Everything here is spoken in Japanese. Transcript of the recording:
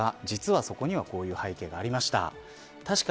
実はそこにはこういう背景がありました。